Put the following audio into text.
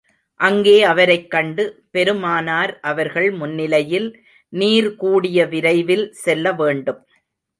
அங்கே அவரைக் கண்டு, பெருமானார் அவர்கள் முன்னிலையில், நீர் கூடிய விரைவில் செல்ல வேண்டும்.